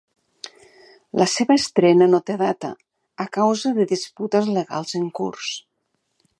La seva estrena no té data, a causa de disputes legals en curs.